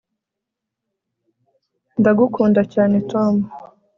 ndagukunda cyane, tom